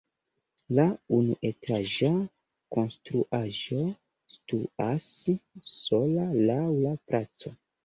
La unuetaĝa konstruaĵo situas sola laŭ la placo.